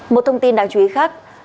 một thông tin đáng chú ý khác